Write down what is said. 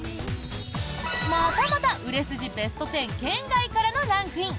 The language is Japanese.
またまた売れ筋ベスト１０圏外からのランクイン！